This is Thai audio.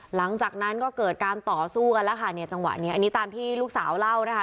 หลังจากนั้นก็เกิดการต่อสู้กันแล้วค่ะเนี่ยจังหวะนี้อันนี้ตามที่ลูกสาวเล่านะคะ